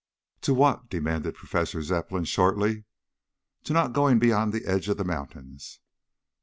"To what?" demanded Professor Zepplin shortly. "To not going beyond the edge of the mountains."